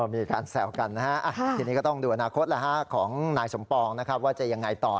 มีการแซวกันนะฮะทีนี้ก็ต้องดูอนาคตของนายสมปองนะครับว่าจะยังไงต่อ